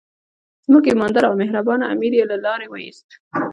زموږ ایماندار او مهربان امیر یې له لارې وایست.